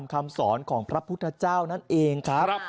คำสอนของพระพุทธเจ้านั่นเองครับ